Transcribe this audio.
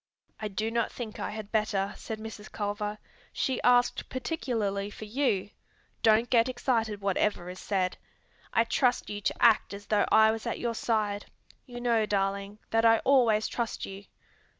"I do not think I had better," said Mrs. Culver. "She asked particularly for you. Don't get excited whatever is said. I trust you to act as though I was at your side. You know, darling, that I always trust you."